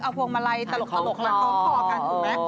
เอาพวงมาไล่ตลกหลักคล้องคลอ